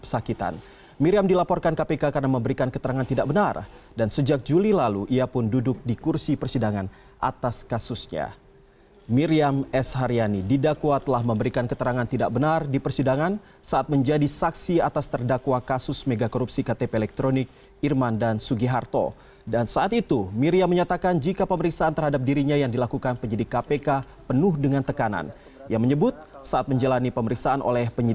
hakim menilai miriam dengan sengaja untuk memberikan keterangan yang tidak benar saat bersaksi dalam sidang kasus korupsi